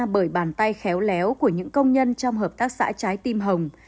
bởi bàn tay khéo léo của những công nhân trong hợp tác xã trái tim hồng